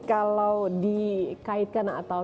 kalau dikaitkan atau